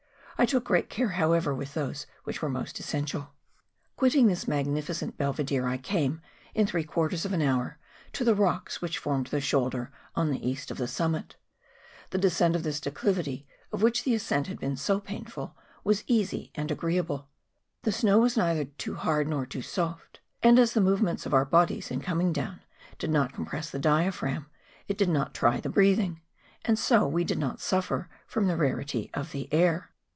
I took great care, however, with those which were most essential. The Col du Geant. Quitting this magnificent belvedere I came, in three quarters of an hour, to the rocks which formed the shoulder on the east of the summit. The de¬ scent of this declivity of which the ascent had been so painful, was easy and agreeable; the snow was neither too hard nor too soft; and, as the move 10 MOUNTAIN ADVENTUEES. ments of our bodies in coming down did not com¬ press the diaphragm, it did not try the breathing; and so we did not suffer from the rarity of the air.